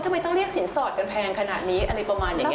ทำไมต้องเรียกสินสอดกันแพงขนาดนี้อะไรประมาณอย่างนี้